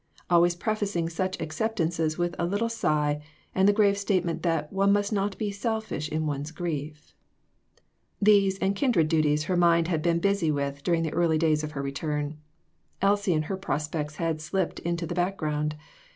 Always prefacing such acceptances with a little sigh, and the grave statement that one must not be selfish in one's grief. These and kindred duties her mind had been busy with during the early days of her return. Elsie and her prospects had slipped into the background.